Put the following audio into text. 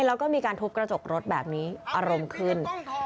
แล้วก็มีการทุบกระจกรถแบบนี้อารมณ์ขึ้น